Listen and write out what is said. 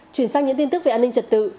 chuyển sang những tin tức về an ninh trật tự